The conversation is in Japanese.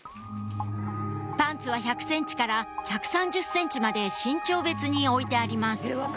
パンツは１００ｃｍから１３０ｃｍまで身長別に置いてあります